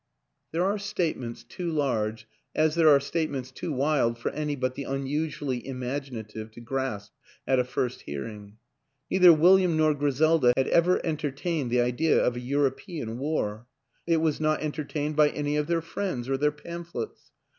" There are statements too large as there are statements too wild for any but the unusually im aginative to grasp at a first hearing. Neither William nor Griselda had ever entertained the idea of a European War; it was not entertained by any of their friends or their pamphlets.